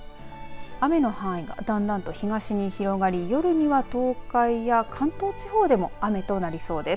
雨の範囲がだんだんと東に広がり、夜には東海や関東地方でも雨となりそうです。